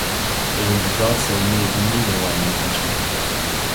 Реинтеграция имеет не менее важное значение.